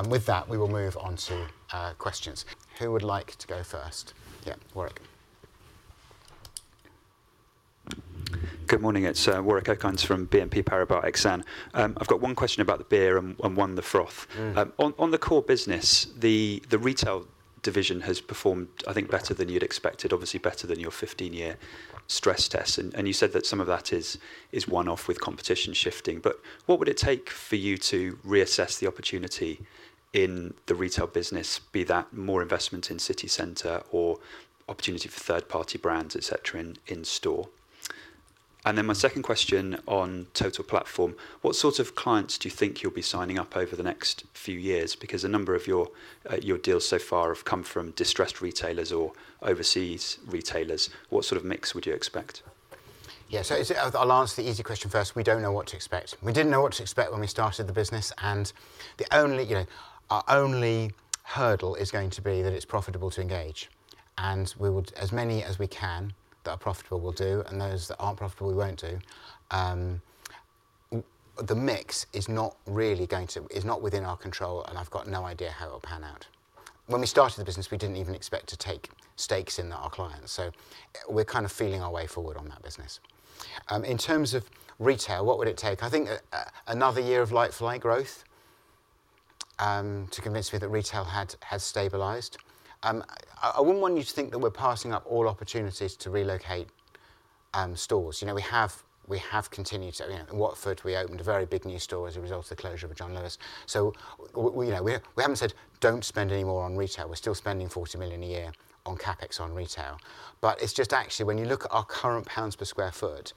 And with that, we will move on to questions. Who would like to go first? Yeah, Warwick. Good morning, it's Warwick Okines from BNP Paribas Exane. I've got one question about the beer and one the froth. On the core business, the retail division has performed, I think, better than you'd expected, obviously better than your 15-year stress test. And you said that some of that is one-off with competition shifting. But what would it take for you to reassess the opportunity in the retail business, be that more investment in city center or opportunity for third-party brands, etc., in store? And then my second question on Total Platform, what sort of clients do you think you'll be signing up over the next few years? Because a number of your deals so far have come from distressed retailers or overseas retailers. What sort of mix would you expect? Yeah, so I'll answer the easy question first. We don't know what to expect. We didn't know what to expect when we started the business. And the only, you know, our only hurdle is going to be that it's profitable to engage. And we would, as many as we can that are profitable, we'll do. And those that aren't profitable, we won't do. The mix is not really going to, is not within our control. And I've got no idea how it'll pan out. When we started the business, we didn't even expect to take stakes in our clients. So we're kind of feeling our way forward on that business. In terms of retail, what would it take? I think another year of like-for-like growth to convince me that retail has stabilized. I wouldn't want you to think that we're passing up all opportunities to relocate stores. You know, we have continued to, you know, in Watford, we opened a very big new store as a result of the closure of John Lewis. So, you know, we haven't said, don't spend any more on retail. We're still spending 40 million a year on CapEx on retail. But it's just actually, when you look at our current GBP per sq ft,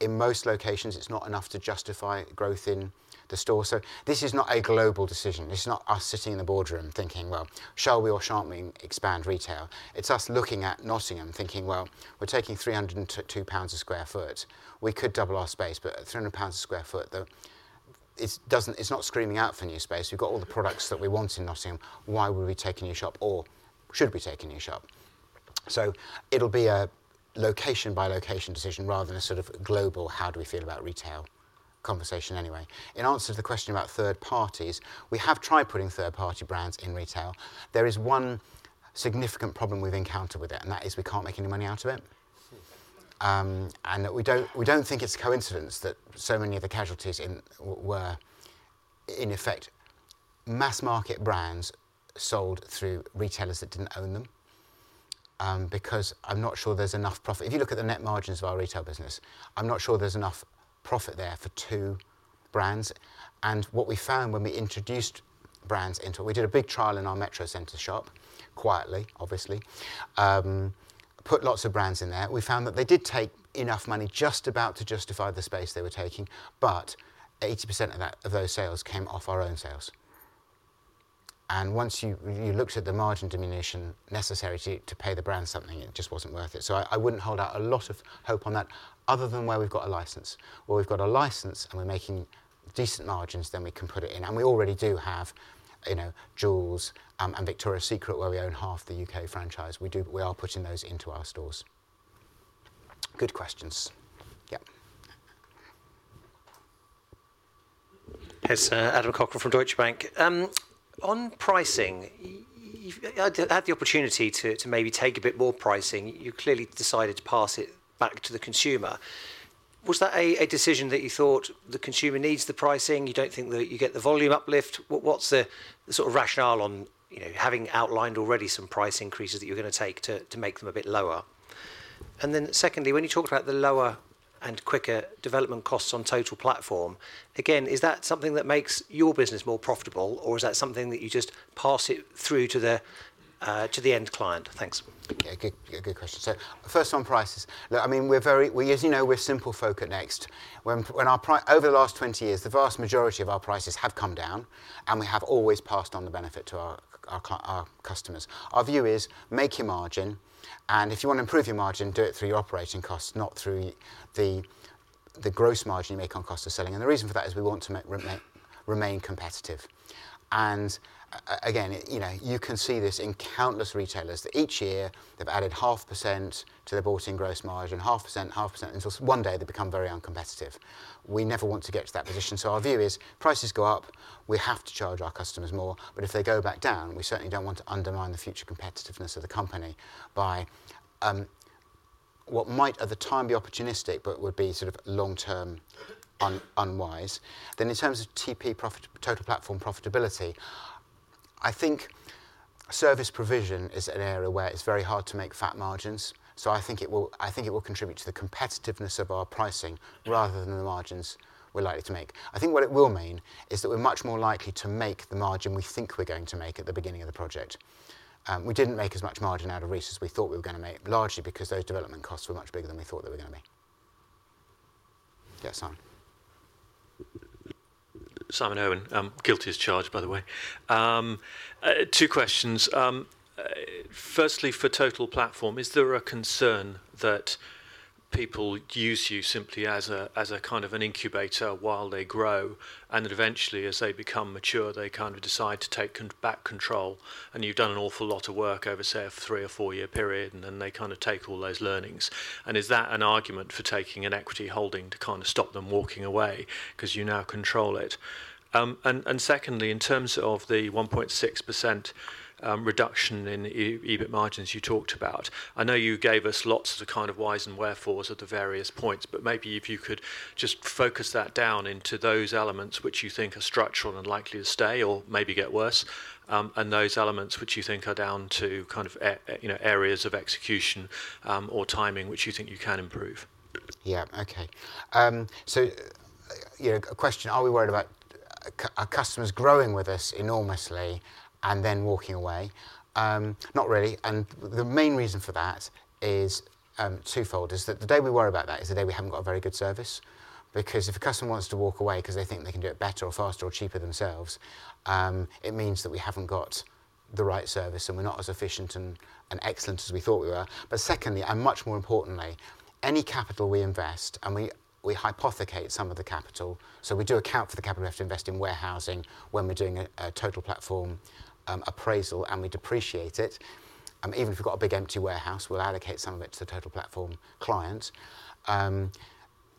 in most locations, it's not enough to justify growth in the store. So this is not a global decision. This is not us sitting in the boardroom thinking, well, shall we or shall we expand retail? It's us looking at Nottingham, thinking, well, we're taking 302 pounds per sq ft. We could double our space, but at 300 pounds per sq ft, it's not screaming out for new space. We've got all the products that we want in Nottingham. Why would we take a new shop, or should we take a new shop? So it'll be a location-by-location decision rather than a sort of global, how do we feel about retail, conversation anyway? In answer to the question about third parties, we have tried putting third-party brands in retail. There is one significant problem we've encountered with it, and that is we can't make any money out of it, and we don't think it's a coincidence that so many of the casualties were in effect mass market brands sold through retailers that didn't own them. Because I'm not sure there's enough profit. If you look at the net margins of our retail business, I'm not sure there's enough profit there for two brands. And what we found when we introduced brands into it, we did a big trial in our Metrocentre shop, quietly, obviously, put lots of brands in there. We found that they did take enough money just about to justify the space they were taking. But 80% of those sales came off our own sales. And once you looked at the margin diminution necessary to pay the brand something, it just wasn't worth it. So I wouldn't hold out a lot of hope on that, other than where we've got a license. Where we've got a license and we're making decent margins, then we can put it in. And we already do have, you know, Joules and Victoria's Secret, where we own half the U.K. franchise. We do, we are putting those into our stores. Good questions. Yeah. Yes, Adam Cochrane from Deutsche Bank. On pricing, you've had the opportunity to maybe take a bit more pricing. You clearly decided to pass it back to the consumer. Was that a decision that you thought the consumer needs the pricing? You don't think that you get the volume uplift? What's the sort of rationale on having outlined already some price increases that you're going to take to make them a bit lower? And then secondly, when you talked about the lower and quicker development costs on Total Platform, again, is that something that makes your business more profitable, or is that something that you just pass it through to the end client? Thanks. Okay, good question. So first on prices. Look, I mean, we're very, as you know, we're simply focused next. Over the last 20 years, the vast majority of our prices have come down, and we have always passed on the benefit to our customers. Our view is make your margin. And if you want to improve your margin, do it through your operating costs, not through the gross margin you make on cost of selling. And the reason for that is we want to remain competitive. And again, you can see this in countless retailers that each year they've added 0.5% to their bought-in gross margin, 0.5%, 0.5%, until one day they become very uncompetitive. We never want to get to that position. So our view is prices go up, we have to charge our customers more. But if they go back down, we certainly don't want to undermine the future competitiveness of the company by what might at the time be opportunistic, but would be sort of long-term unwise. Then in terms of TP Total Platform profitability, I think service provision is an area where it's very hard to make fat margins. So I think it will contribute to the competitiveness of our pricing rather than the margins we're likely to make. I think what it will mean is that we're much more likely to make the margin we think we're going to make at the beginning of the project. We didn't make as much margin out of Reiss as we thought we were going to make, largely because those development costs were much bigger than we thought they were going to be. Yes, Simon. Simon Irwin, guilty as charged, by the way. Two questions. Firstly, for Total Platform, is there a concern that people use you simply as a kind of an incubator while they grow, and that eventually, as they become mature, they kind of decide to take back control? And you've done an awful lot of work over, say, a three or four-year period, and then they kind of take all those learnings. And is that an argument for taking an equity holding to kind of stop them walking away because you now control it? And secondly, in terms of the 1.6% reduction in EBIT margins you talked about, I know you gave us lots of the kind of whys and wherefores at the various points, but maybe if you could just focus that down into those elements which you think are structural and likely to stay or maybe get worse, and those elements which you think are down to kind of areas of execution or timing which you think you can improve. Yeah, okay. So a question, are we worried about our customers growing with us enormously and then walking away? Not really. And the main reason for that is twofold. The day we worry about that is the day we haven't got a very good service. Because if a customer wants to walk away because they think they can do it better or faster or cheaper themselves, it means that we haven't got the right service and we're not as efficient and excellent as we thought we were. But secondly, and much more importantly, any capital we invest, and we hypothecate some of the capital, so we do account for the capital we have to invest in warehousing when we're doing a Total Platform appraisal, and we depreciate it. Even if we've got a big empty warehouse, we'll allocate some of it to the Total Platform client. And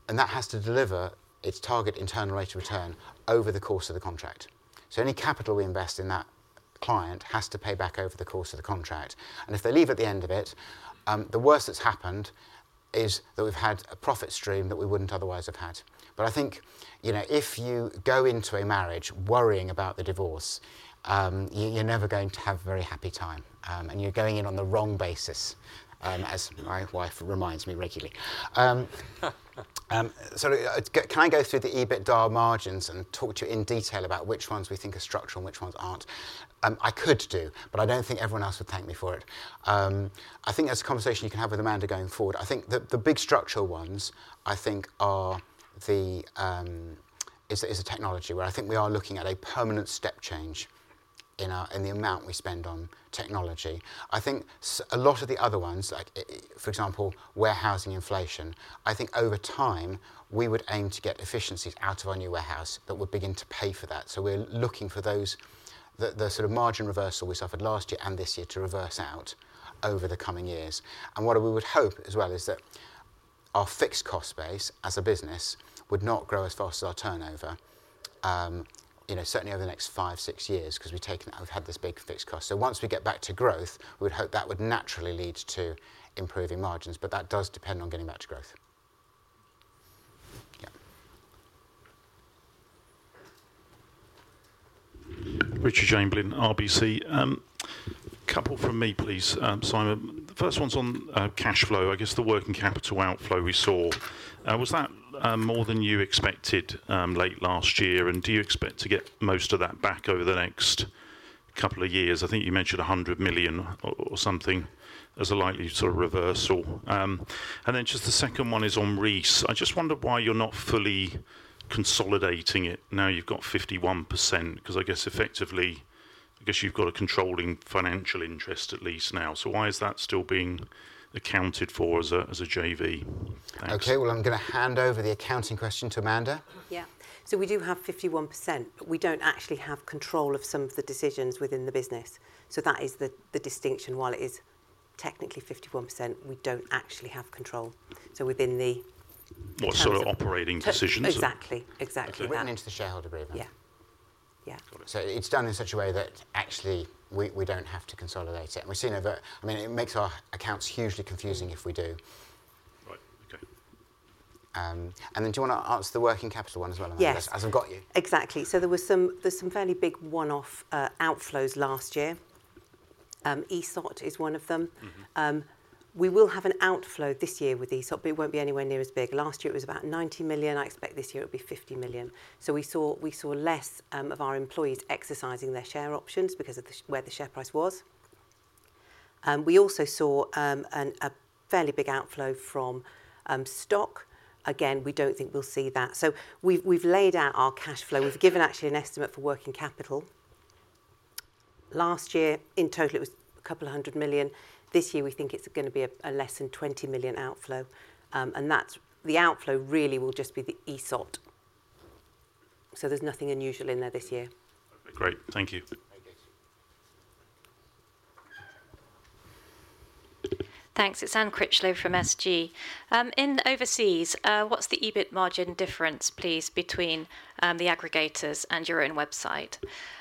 that has to deliver its target internal rate of return over the course of the contract. So any capital we invest in that client has to pay back over the course of the contract. And if they leave at the end of it, the worst that's happened is that we've had a profit stream that we wouldn't otherwise have had. But I think, you know, if you go into a marriage worrying about the divorce, you're never going to have a very happy time. And you're going in on the wrong basis, as my wife reminds me regularly. So can I go through the EBITDA margins and talk to you in detail about which ones we think are structural and which ones aren't? I could do, but I don't think everyone else would thank me for it. I think there's a conversation you can have with Amanda going forward. I think the big structural ones, I think, are the technology, where I think we are looking at a permanent step change in the amount we spend on technology. I think a lot of the other ones, like for example, warehousing inflation, I think over time, we would aim to get efficiencies out of our new warehouse that would begin to pay for that. So we're looking for those, the sort of margin reversal we suffered last year and this year to reverse out over the coming years. And what we would hope as well is that our fixed cost base as a business would not grow as fast as our turnover, you know, certainly over the next five, six years, because we've had this big fixed cost. So once we get back to growth, we would hope that would naturally lead to improving margins. But that does depend on getting back to growth. Yeah. Richard Chamberlain, RBC. A couple from me, please. Simon, the first one's on cash flow, I guess the working capital outflow we saw. Was that more than you expected late last year? And do you expect to get most of that back over the next couple of years? I think you mentioned 100 million or something as a likely sort of reversal. And then just the second one is on Reiss. I just wondered why you're not fully consolidating it. Now you've got 51%, because I guess effectively, I guess you've got a controlling financial interest at least now. So why is that still being accounted for as a JV? Okay, well, I'm going to hand over the accounting question to Amanda. Yeah. So we do have 51%, but we don't actually have control of some of the decisions within the business. So that is the distinction. While it is technically 51%, we don't actually have control. So within the. What sort of operating decisions? Exactly. Exactly. So we went into the shareholder agreement. Yeah. Yeah. It's done in such a way that actually we don't have to consolidate it. We've seen over, I mean, it makes our accounts hugely confusing if we do. Right, okay. And then do you want to answer the working capital one as well, Amanda, as I've got you? Exactly. So there were some fairly big one-off outflows last year. ESOT is one of them. We will have an outflow this year with ESOT, but it won't be anywhere near as big. Last year it was about 90 million. I expect this year it'll be 50 million. So we saw less of our employees exercising their share options because of where the share price was. We also saw a fairly big outflow from stock. Again, we don't think we'll see that. So we've laid out our cash flow. We've given actually an estimate for working capital. Last year, in total, it was 200 million. This year, we think it's going to be less than 20 million outflow. And that's the outflow. Really, it will just be the ESOT. So there's nothing unusual in there this year. Okay, great. Thank you. Thanks. It's Anne Critchlow from SG. In overseas, what's the EBIT margin difference, please, between the aggregators and your own website?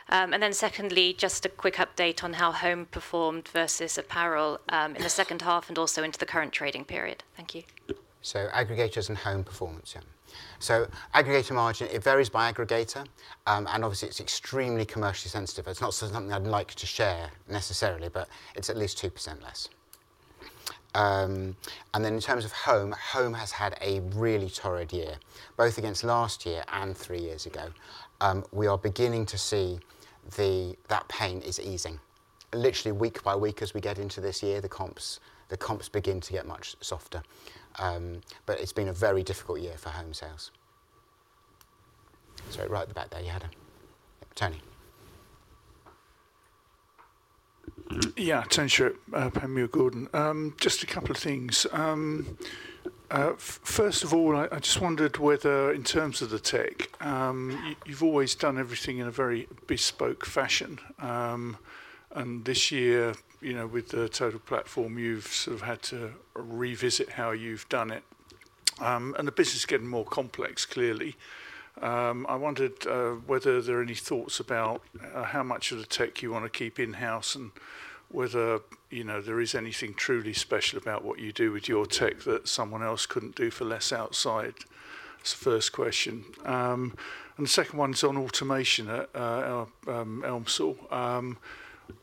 And then secondly, just a quick update on how home performed versus apparel in the second half and also into the current trading period. Thank you. So aggregators and home performance, yeah. So aggregator margin, it varies by aggregator. And obviously, it's extremely commercially sensitive. It's not something I'd like to share necessarily, but it's at least 2% less. And then in terms of home, home has had a really torrid year, both against last year and three years ago. We are beginning to see that pain is easing. Literally week by week as we get into this year, the comps begin to get much softer. But it's been a very difficult year for home sales. Sorry, right at the back there, you had a Tony. Yeah, thanks, Tony Shiret of Panmure Gordon. Just a couple of things. First of all, I just wondered whether in terms of the tech, you've always done everything in a very bespoke fashion. And this year, you know, with the Total Platform, you've sort of had to revisit how you've done it. And the business is getting more complex, clearly. I wondered whether there are any thoughts about how much of the tech you want to keep in-house and whether there is anything truly special about what you do with your tech that someone else couldn't do for less outside. That's the first question. And the second one's on automation at Elmsall.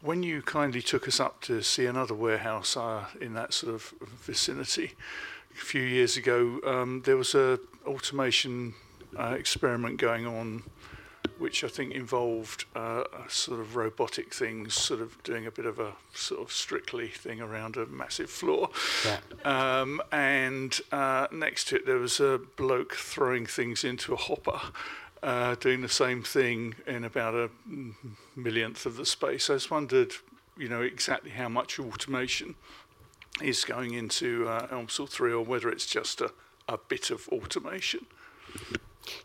When you kindly took us up to see another warehouse in that sort of vicinity a few years ago, there was an automation experiment going on, which I think involved sort of robotic things, sort of doing a bit of a sort of strictly thing around a massive floor. And next to it, there was a bloke throwing things into a hopper, doing the same thing in about a millionth of the space. I just wondered, you know, exactly how much automation is going into Elmsall 3 or whether it's just a bit of automation.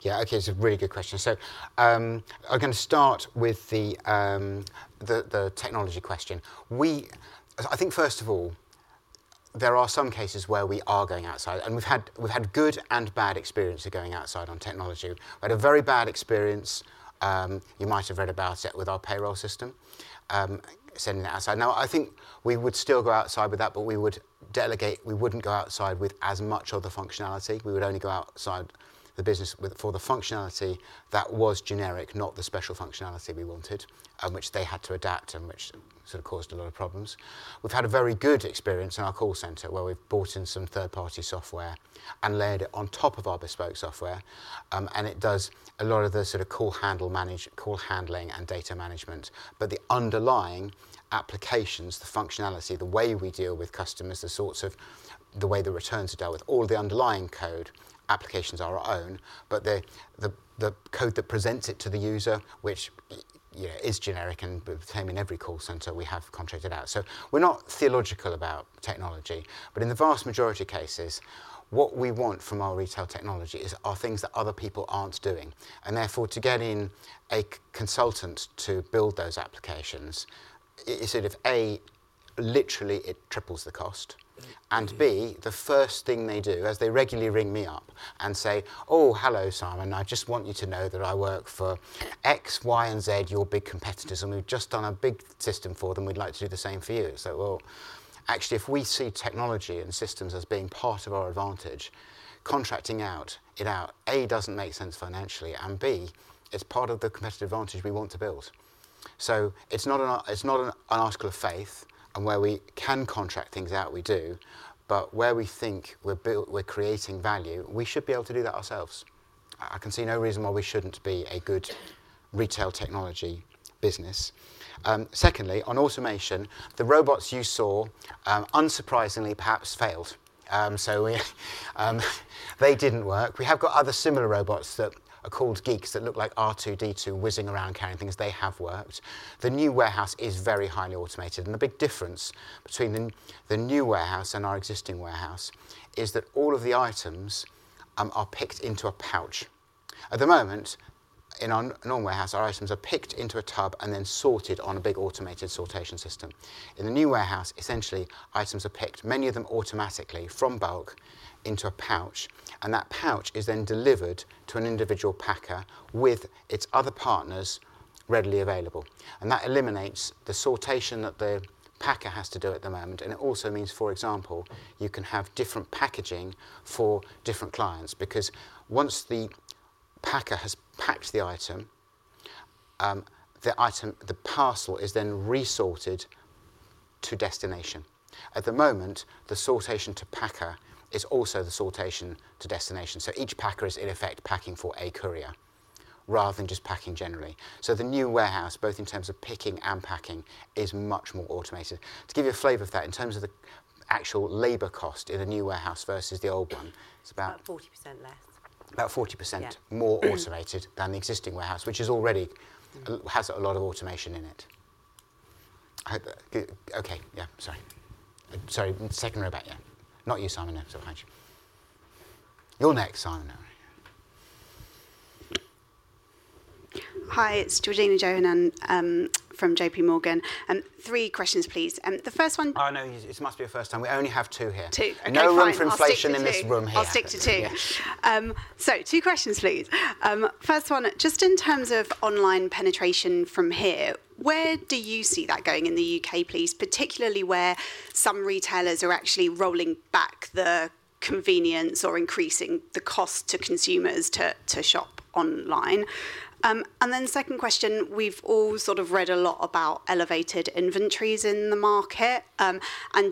Yeah, okay, it's a really good question. So I'm going to start with the technology question. I think first of all, there are some cases where we are going outside. And we've had good and bad experiences going outside on technology. We had a very bad experience, you might have read about it, with our payroll system sending it outside. Now, I think we would still go outside with that, but we would delegate, we wouldn't go outside with as much of the functionality. We would only go outside the business for the functionality that was generic, not the special functionality we wanted, which they had to adapt and which sort of caused a lot of problems. We've had a very good experience in our call center where we've bought in some third-party software and layered it on top of our bespoke software. It does a lot of the sort of call handling and data management. But the underlying applications, the functionality, the way we deal with customers, the sorts of the way the returns are dealt with, all of the underlying code applications are our own. But the code that presents it to the user, which is generic and became in every call center we have contracted out. We're not theological about technology. But in the vast majority of cases, what we want from our retail technology is our things that other people aren't doing. Therefore, to get in a consultant to build those applications is sort of A, literally it triples the cost. And B, the first thing they do is they regularly ring me up and say, "Oh, hello, Simon. I just want you to know that I work for X, Y, and Z, your big competitors. And we've just done a big system for them. We'd like to do the same for you." So actually, if we see technology and systems as being part of our advantage, contracting it out, A, doesn't make sense financially, and B, it's part of the competitive advantage we want to build. So it's not an article of faith, and where we can contract things out, we do. But where we think we're creating value, we should be able to do that ourselves. I can see no reason why we shouldn't be a good retail technology business. Secondly, on automation, the robots you saw, unsurprisingly, perhaps failed. So they didn't work. We have got other similar robots that are called Geek+ that look like R2-D2 whizzing around carrying things. They have worked. The new warehouse is very highly automated. The big difference between the new warehouse and our existing warehouse is that all of the items are picked into a pouch. At the moment, in our normal warehouse, our items are picked into a tub and then sorted on a big automated sortation system. In the new warehouse, essentially, items are picked, many of them automatically, from bulk into a pouch. And that pouch is then delivered to an individual packer with its other partners readily available. And that eliminates the sortation that the packer has to do at the moment. And it also means, for example, you can have different packaging for different clients. Because once the packer has packed the item, the parcel is then resorted to destination. At the moment, the sortation to packer is also the sortation to destination. So each packer is, in effect, packing for a courier rather than just packing generally. So the new warehouse, both in terms of picking and packing, is much more automated. To give you a flavor of that, in terms of the actual labor cost in the new warehouse versus the old one, it's about. About 40% less. About 40% more automated than the existing warehouse, which already has a lot of automation in it. Okay, yeah, sorry. Sorry, second row back, yeah. Not you, Simon. Now, so thanks. You're next, Gina. Hi, it's Georgina Johanan from JPMorgan. Three questions, please. The first one. Oh, no, it must be a first time. We only have two here. Two. No room for inflation in this room here. I'll stick to two. So two questions, please. First one, just in terms of online penetration from here, where do you see that going in the U.K., please? Particularly where some retailers are actually rolling back the convenience or increasing the cost to consumers to shop online. And then second question, we've all sort of read a lot about elevated inventories in the market. And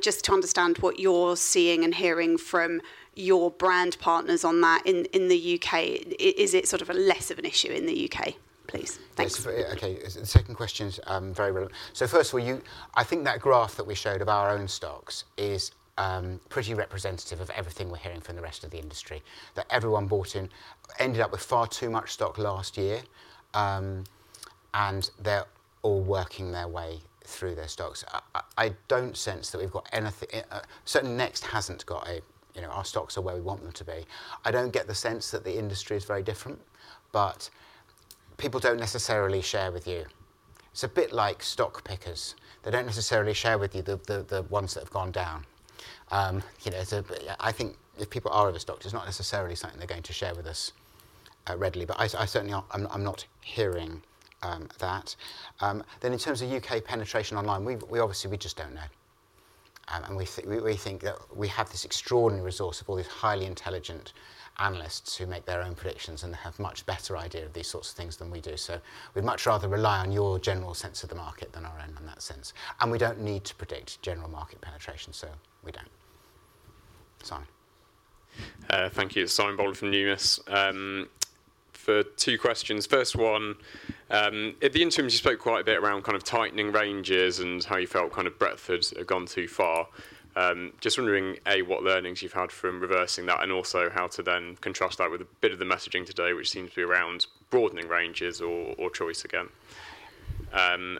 just to understand what you're seeing and hearing from your brand partners on that in the U.K., is it sort of less of an issue in the U.K., please? Thanks. Okay, the second question is very relevant. So first of all, I think that graph that we showed of our own stocks is pretty representative of everything we're hearing from the rest of the industry. That everyone bought in, ended up with far too much stock last year, and they're all working their way through their stocks. I don't sense that we've got anything, certainly NEXT hasn't got a, you know, our stocks are where we want them to be. I don't get the sense that the industry is very different, but people don't necessarily share with you. It's a bit like stock pickers. They don't necessarily share with you the ones that have gone down. You know, I think if people are overstocked, it's not necessarily something they're going to share with us readily. But I certainly am not hearing that. Then in terms of U.K. penetration online, we obviously, we just don't know. And we think that we have this extraordinary resource of all these highly intelligent analysts who make their own predictions and have a much better idea of these sorts of things than we do. So we'd much rather rely on your general sense of the market than our own in that sense. And we don't need to predict general market penetration, so we don't. Simon. Thank you. Simon Bowler from Numis. For two questions. First one, in the interim, you spoke quite a bit around kind of tightening ranges and how you felt kind of breadth had gone too far. Just wondering, A, what learnings you've had from reversing that and also how to then contrast that with a bit of the messaging today, which seems to be around broadening ranges or choice again.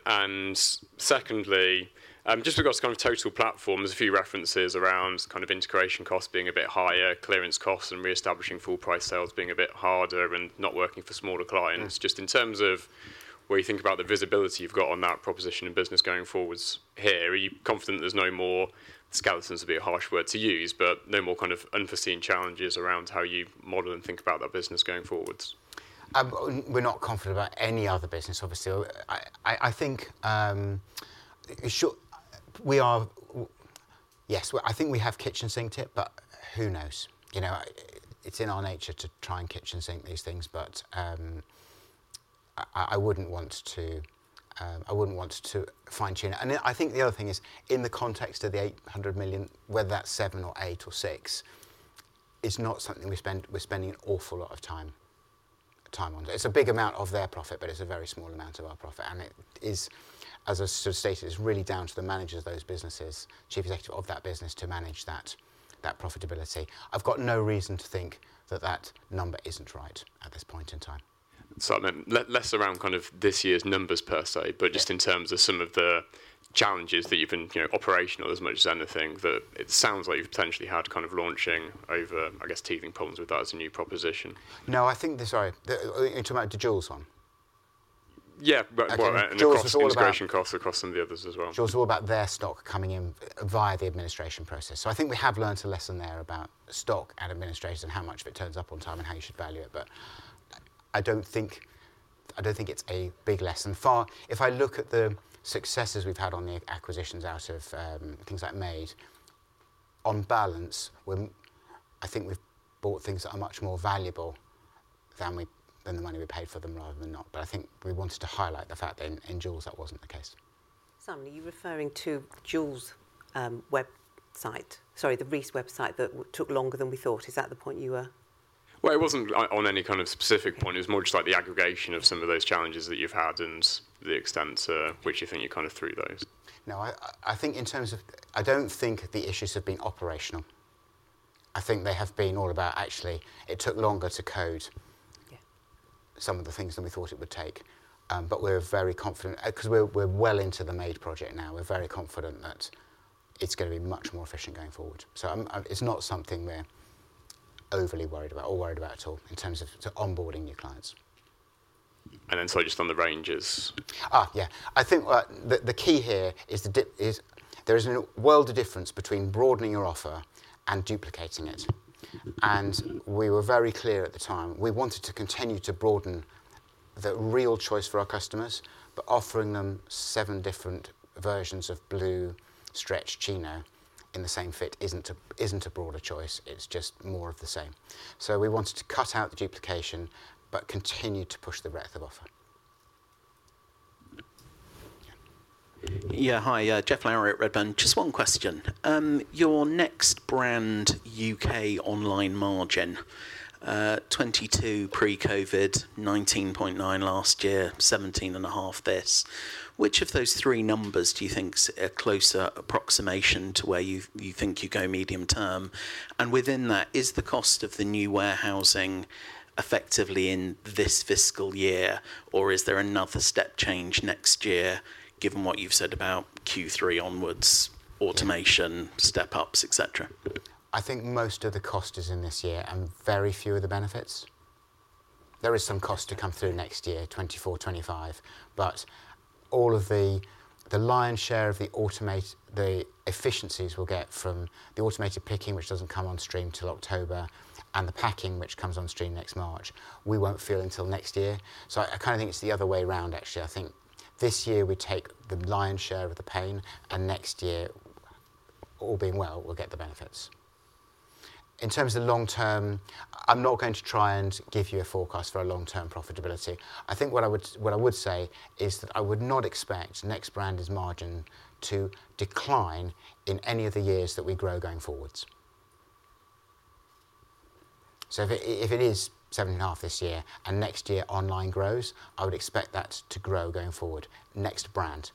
And secondly, just regards to kind of Total Platform, there's a few references around kind of integration costs being a bit higher, clearance costs and reestablishing full price sales being a bit harder and not working for smaller clients. Just in terms of where you think about the visibility you've got on that proposition of business going forward here, are you confident there's no more, skeletons is a bit harsh word to use, but no more kind of unforeseen challenges around how you model and think about that business going forward? We're not confident about any other business, obviously. I think we are, yes, I think we have kitchen sinked it, but who knows? You know, it's in our nature to try and kitchen sink these things, but I wouldn't want to, I wouldn't want to fine-tune it. And I think the other thing is in the context of the 800 million, whether that's seven or eight or six, it's not something we're spending an awful lot of time on. It's a big amount of their profit, but it's a very small amount of our profit. And it is, as I sort of stated, it's really down to the managers of those businesses, chief executive of that business to manage that profitability. I've got no reason to think that that number isn't right at this point in time. Something less around kind of this year's numbers per se, but just in terms of some of the challenges that you've been, you know, operational as much as anything that it sounds like you've potentially had kind of launching over, I guess, teething problems with that as a new proposition. No, I think this, sorry, you're talking about the Joules one? Yeah, Joules was all about and across the administration costs, across some of the others as well. Joules was all about their stock coming in via the administration process. So I think we have learned a lesson there about stock and administration and how much of it turns up on time and how you should value it. But I don't think, I don't think it's a big lesson. If I look at the successes we've had on the acquisitions out of things like Made, on balance, I think we've bought things that are much more valuable than the money we paid for them rather than not. But I think we wanted to highlight the fact that in Joules, that wasn't the case. Simon, are you referring to Joules' website, sorry, the Reiss website that took longer than we thought? Is that the point you were? It wasn't on any kind of specific point. It was more just like the aggregation of some of those challenges that you've had and the extent to which you think you kind of threw those. No, I think in terms of, I don't think the issues have been operational. I think they have been all about actually, it took longer to code some of the things than we thought it would take. But we're very confident, because we're well into the Made project now, we're very confident that it's going to be much more efficient going forward. So it's not something we're overly worried about or worried about at all in terms of onboarding new clients. And then sorry, just on the ranges. Yeah. I think the key here is there is a world of difference between broadening your offer and duplicating it. And we were very clear at the time, we wanted to continue to broaden the real choice for our customers, but offering them seven different versions of blue stretch chino in the same fit isn't a broader choice. It's just more of the same. So we wanted to cut out the duplication, but continue to push the breadth of offer. Yeah, hi, Geoff Lowery at Redburn. Just one question. Your NEXT Brand UK online margin, 22% pre-COVID, 19.9% last year, 17.5% this. Which of those three numbers do you think is a closer approximation to where you think you go medium term? And within that, is the cost of the new warehousing effectively in this fiscal year, or is there another step change next year given what you've said about Q3 onwards, automation, step-ups, etc.? I think most of the cost is in this year and very few of the benefits. There is some cost to come through next year, 2024, 2025, but all of the lion's share of the efficiencies we'll get from the automated picking, which doesn't come on stream till October, and the packing, which comes on stream next March, we won't feel until next year. So I kind of think it's the other way around, actually. I think this year we take the lion's share of the pain, and next year, all being well, we'll get the benefits. In terms of long-term, I'm not going to try and give you a forecast for our long-term profitability. I think what I would say is that I would not expect NEXT Brand's margin to decline in any of the years that we grow going forwards. So if it is seven and a half this year and next year online grows, I would expect that to grow going forward, NEXT Brand.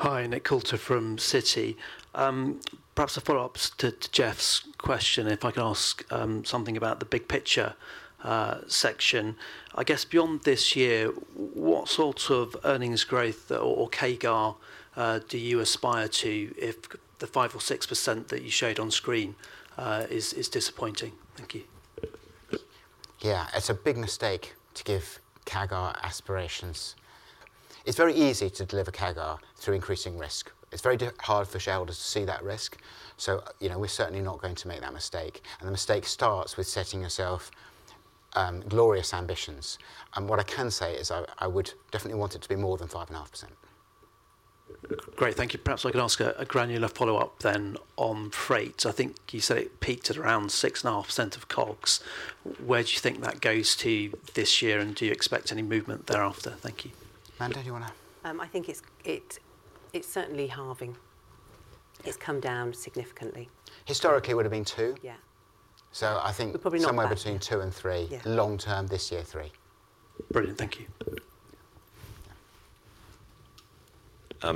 Hi, Nick Coulter from Citi. Perhaps a follow-up to Geoff's question, if I can ask something about the big picture section. I guess beyond this year, what sorts of earnings growth or CAGR do you aspire to if the 5% or 6% that you showed on screen is disappointing? Thank you. Yeah, it's a big mistake to give CAGR aspirations. It's very easy to deliver CAGR through increasing risk. It's very hard for shareholders to see that risk. So, you know, we're certainly not going to make that mistake. And the mistake starts with setting yourself glorious ambitions. And what I can say is I would definitely want it to be more than 5.5%. Great, thank you. Perhaps I can ask a granular follow-up then on freight. I think you said it peaked at around 6.5% of COGS. Where do you think that goes to this year, and do you expect any movement thereafter? Thank you. Amanda, do you want to? I think it's certainly halving. It's come down significantly. Historically, it would have been two. Yeah. So I think somewhere between two and three. Long term, this year, three. Brilliant, thank you.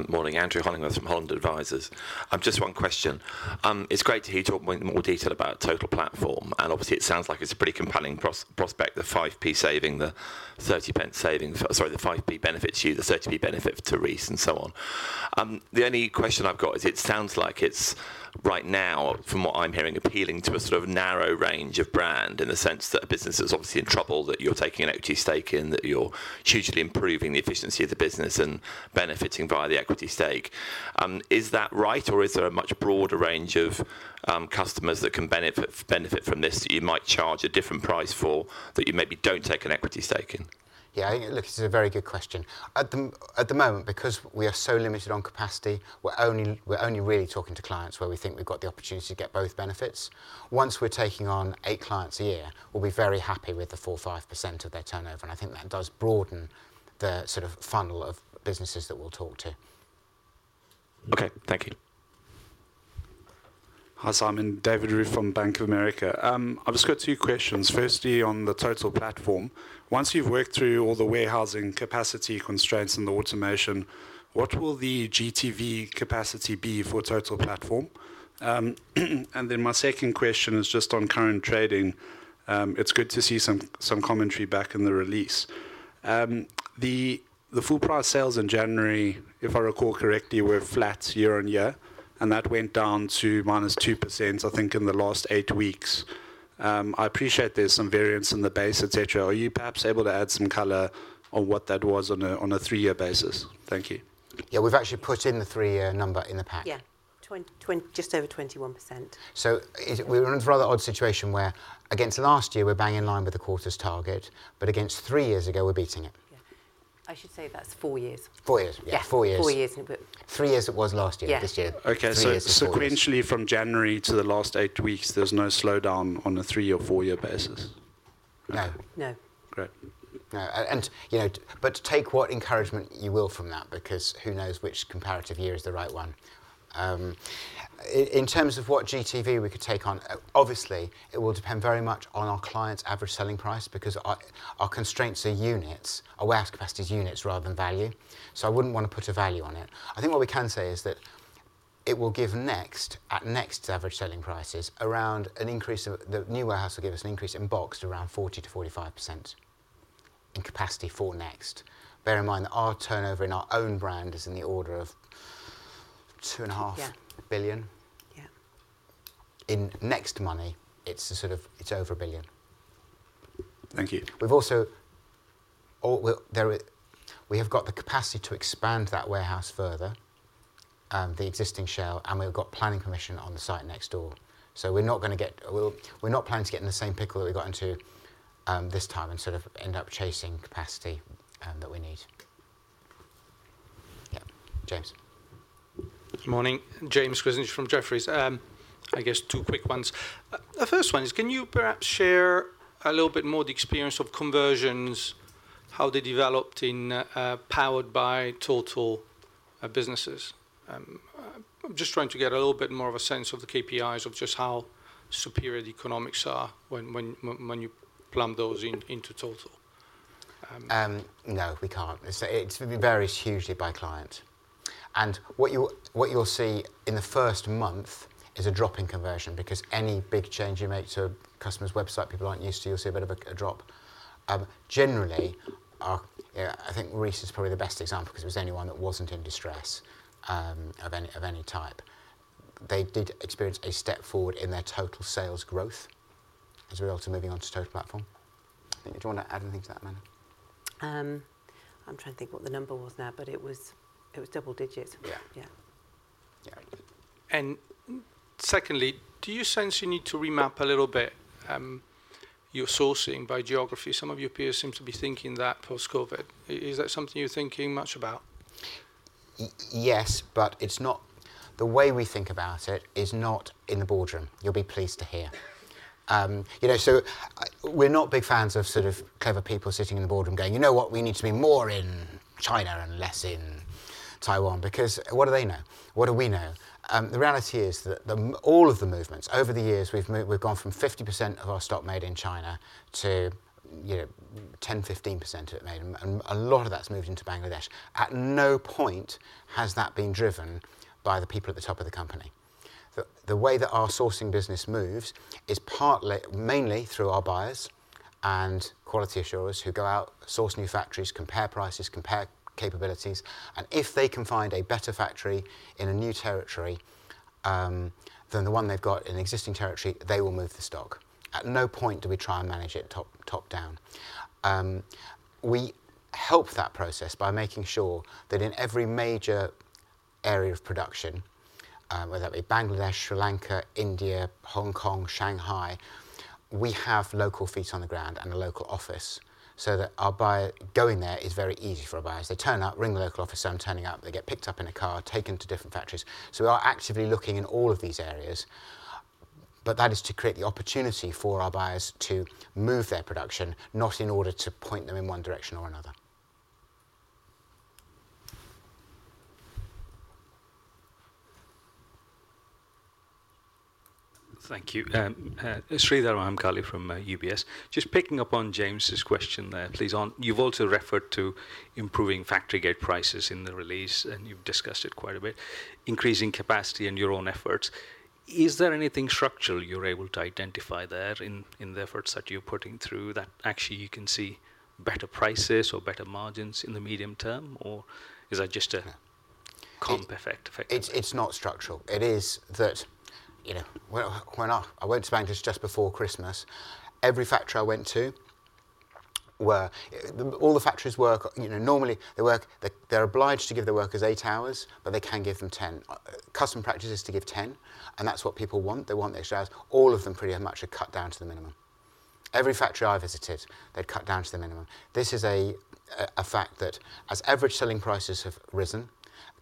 Morning, Andrew Hollingworth from Holland Advisors. Just one question. It's great to hear you talk in more detail about Total Platform. And obviously, it sounds like it's a pretty compelling prospect, the 5p saving, the 0.30 saving, sorry, the 5p benefit to you, the 30p benefit to Reiss and so on. The only question I've got is it sounds like it's right now, from what I'm hearing, appealing to a sort of narrow range of brand in the sense that a business is obviously in trouble that you're taking an equity stake in, that you're hugely improving the efficiency of the business and benefiting via the equity stake. Is that right, or is there a much broader range of customers that can benefit from this that you might charge a different price for that you maybe don't take an equity stake in? Yeah, I think it's a very good question. At the moment, because we are so limited on capacity, we're only really talking to clients where we think we've got the opportunity to get both benefits. Once we're taking on eight clients a year, we'll be very happy with the 4%-5% of their turnover, and I think that does broaden the sort of funnel of businesses that we'll talk to. Okay, thank you. Hi, Simon. David Roff from Bank of America. I've just got two questions. Firstly, on the Total Platform, once you've worked through all the warehousing capacity constraints and the automation, what will the GTV capacity be for Total Platform? And then my second question is just on current trading. It's good to see some commentary back in the release. The full price sales in January, if I recall correctly, were flat year on year, and that went down to -2%, I think, in the last eight weeks. I appreciate there's some variance in the base, etc. Are you perhaps able to add some color on what that was on a three-year basis? Thank you. Yeah, we've actually put in the three-year number in the pack. Yeah, just over 21%. So we're in a rather odd situation where, against last year, we're bang in line with the quarter's target, but against three years ago, we're beating it. I should say that's four years. Four years, yeah, four years. Yeah, four years. Three years it was last year, this year. Okay, so sequentially from January to the last eight weeks, there's no slowdown on a three or four-year basis? No. Great. No, and you know, but take what encouragement you will from that, because who knows which comparative year is the right one. In terms of what GTV we could take on, obviously, it will depend very much on our client's average selling price, because our constraints are units, our warehouse capacity is units rather than value. So I wouldn't want to put a value on it. I think what we can say is that it will give Next, at Next's average selling prices, around an increase, the new warehouse will give us an increase in boxed around 40%-45% in capacity for NEXT. Bear in mind that our turnover in our own brand is in the order of 2.5 billion. Yeah. In NEXT money, it's sort of, it's over 1 billion. Thank you. We've also, we have got the capacity to expand that warehouse further, the existing shell, and we've got planning permission on the site next door. So we're not going to get, we're not planning to get in the same pickle that we got into this time and sort of end up chasing capacity that we need. Yeah, James. Morning, James Grzinic from Jefferies. I guess two quick ones. The first one is, can you perhaps share a little bit more the experience of conversions, how they developed in Powered by Total businesses? I'm just trying to get a little bit more of a sense of the KPIs of just how superior the economics are when you plumb those into Total. No, we can't. It varies hugely by client, and what you'll see in the first month is a drop in conversion, because any big change you make to a customer's website, people aren't used to, you'll see a bit of a drop. Generally, I think Reiss is probably the best example, because it was the only one that wasn't in distress of any type. They did experience a step forward in their total sales growth as a result of moving on to Total Platform. Do you want to add anything to that, Amanda? I'm trying to think what the number was now, but it was double digits. Yeah. Yeah. Secondly, do you sense you need to remap a little bit your sourcing by geography? Some of your peers seem to be thinking that post-COVID. Is that something you're thinking much about? Yes, but it's not. The way we think about it is not in the boardroom. You'll be pleased to hear. You know, so we're not big fans of sort of clever people sitting in the boardroom going, you know what, we need to be more in China and less in Taiwan, because what do they know? What do we know? The reality is that all of the movements over the years, we've gone from 50% of our stock made in China to, you know, 10%-15% of it made, and a lot of that's moved into Bangladesh. At no point has that been driven by the people at the top of the company. The way that our sourcing business moves is partly mainly through our buyers and quality assurers who go out, source new factories, compare prices, compare capabilities, and if they can find a better factory in a new territory than the one they've got in existing territory, they will move the stock. At no point do we try and manage it top down. We help that process by making sure that in every major area of production, whether that be Bangladesh, Sri Lanka, India, Hong Kong, Shanghai, we have local feet on the ground and a local office so that our buyer going there is very easy for our buyers. They turn up, ring the local office, say I'm turning up, they get picked up in a car, taken to different factories. So we are actively looking in all of these areas, but that is to create the opportunity for our buyers to move their production, not in order to point them in one direction or another. Thank you. Sreedhar Mahamkali from UBS. Just picking up on James's question there, please. You've also referred to improving factory gate prices in the release, and you've discussed it quite a bit, increasing capacity in your own efforts. Is there anything structural you're able to identify there in the efforts that you're putting through that actually you can see better prices or better margins in the medium term, or is that just a comp effect? It's not structural. It is that, you know, when I went to Bangladesh just before Christmas, every factory I went to, all the factories work, you know, normally they're obliged to give the workers eight hours, but they can give them ten. Customary practice is to give ten, and that's what people want. They want extra hours. All of them pretty much are cut down to the minimum. Every factory I visited, they'd cut down to the minimum. This is a fact that as average selling prices have risen,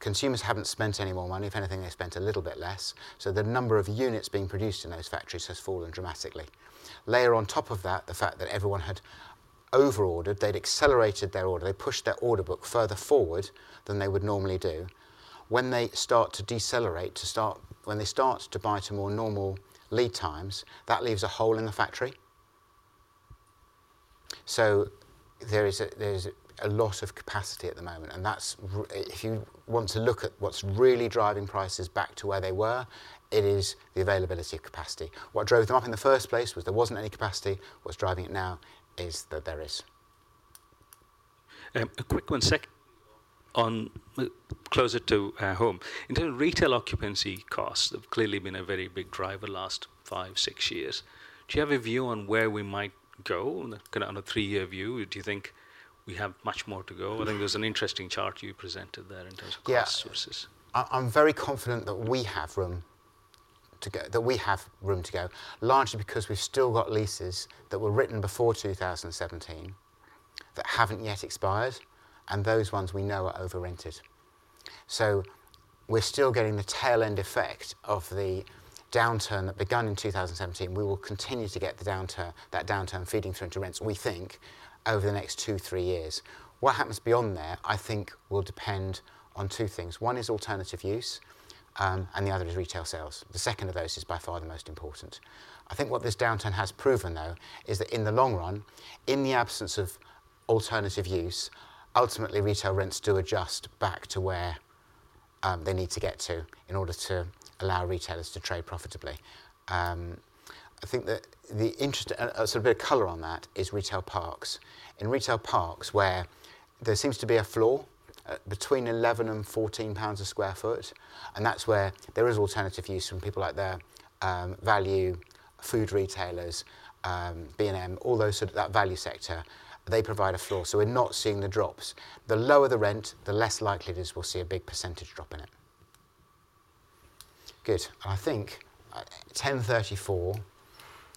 consumers haven't spent any more money. If anything, they spent a little bit less. So the number of units being produced in those factories has fallen dramatically. Layer on top of that, the fact that everyone had overordered, they'd accelerated their order. They pushed their order book further forward than they would normally do. When they start to decelerate, when they start to buy to more normal lead times, that leaves a hole in the factory. So there is a loss of capacity at the moment. And that's, if you want to look at what's really driving prices back to where they were, it is the availability of capacity. What drove them up in the first place was there wasn't any capacity. What's driving it now is that there is. A quick one closer to home. In terms of retail occupancy costs, they've clearly been a very big driver the last five, six years. Do you have a view on where we might go on a three-year view? Do you think we have much more to go? I think there's an interesting chart you presented there in terms of cost sources. Yeah, I'm very confident that we have room to go, largely because we've still got leases that were written before 2017 that haven't yet expired, and those ones we know are overrented. So we're still getting the tail-end effect of the downturn that began in 2017. We will continue to get that downturn feeding through into rents, we think, over the next two, three years. What happens beyond there, I think, will depend on two things. One is alternative use, and the other is retail sales. The second of those is by far the most important. I think what this downturn has proven, though, is that in the long run, in the absence of alternative use, ultimately retail rents do adjust back to where they need to get to in order to allow retailers to trade profitably. I think that the interesting sort of bit of color on that is retail parks. In retail parks, where there seems to be a floor between 11 per sq ft and 14 pounds per sq ft, and that's where there is alternative use from people like their value, food retailers, B&M, all those sort of that value sector, they provide a floor. So we're not seeing the drops. The lower the rent, the less likely it is we'll see a big percentage drop in it. Good, and I think 10:34,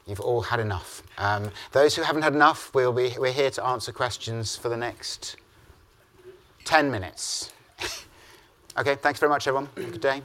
you've all had enough. Those who haven't had enough, we're here to answer questions for the next 10 minutes. Okay, thanks very much, everyone. Have a good day.